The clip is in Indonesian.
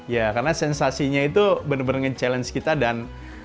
ya karena sensasinya itu benar benar ngechallenge kita dan